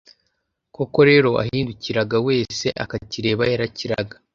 Koko rero, uwahindukiraga wese akakireba yarakiraga,